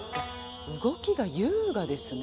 動きが優雅ですね